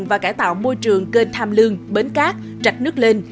và cải tạo môi trường kênh tham lương bến cát rạch nước lên